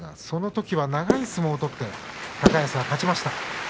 そのときは長い相撲を取って高安が勝ちました。